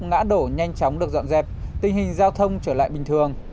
ngã đổ nhanh chóng được dọn dẹp tình hình giao thông trở lại bình thường